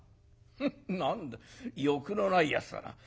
「何だ欲のないやつだな。